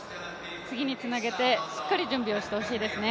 次につなげてしっかり準備をしてほしいですね。